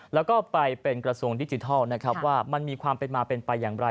แล้วก็ไปเป็นกระทรวงดิจิทัลนะครับว่ามันมีความเป็นมาเป็นไปอย่างไร